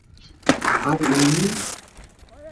আর, lemon?